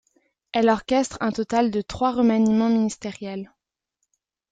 Elle orchestre un total de trois remaniements ministériels.